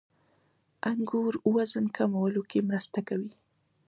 • انګور وزن کمولو کې مرسته کوي.